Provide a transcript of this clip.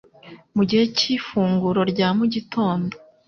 Mu gihe cy’ifunguro rya mugitondo,